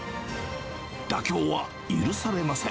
妥協は許されません。